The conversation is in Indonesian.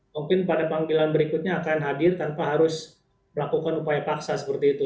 mungkin pada panggilan berikutnya akan hadir tanpa harus melakukan upaya paksa seperti itu